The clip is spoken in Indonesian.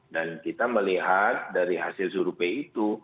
dan kita melihat dari hasil survei itu